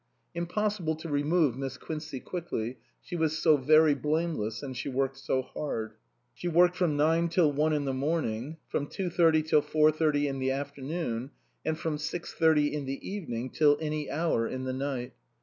Impossible to remove Miss Quincey quickly, she was so very blame less and she worked so hard. She worked from nine till one in the morning, from two thirty till four thirty in the afternoon, and from six thirty in the evening till any hour in the night.